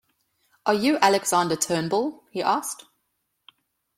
“Are you Alexander Turnbull?” he asked.